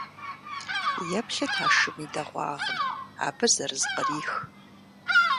Еплъыт а шым и дэгъуагъым! Абы зэрызыкърих!